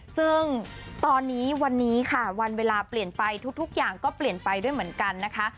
ซึ่งตอนนี้วันนี้ค่ะวันเวลาเปลี่ยนไปทุกอย่างก็เปลี่ยนไปด้วยเหมือนกันนะคะ